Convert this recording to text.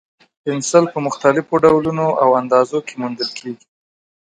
پنسل په مختلفو ډولونو او اندازو کې موندل کېږي.